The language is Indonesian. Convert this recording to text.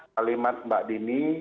kalimat mbak dini